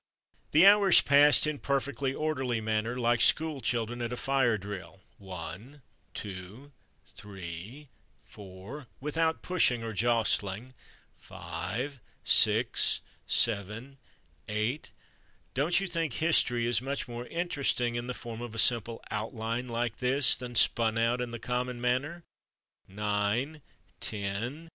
The hours passed in a perfectly orderly manner, like school children at a fire drill—one, two, three, four—without pushing or jostling—five, six, seven, eight—(don't you think history is much more interesting in the form of a simple "Outline" like this than spun out in the common manner?)—nine, ten—!